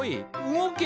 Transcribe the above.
動け！